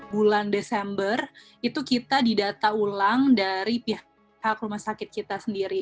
bulan desember itu kita didata ulang dari pihak rumah sakit kita sendiri